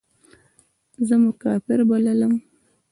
زه مو کافر بللم.